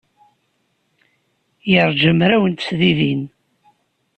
Yeṛja mraw n tesdidin.